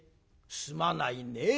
「すまないねえ。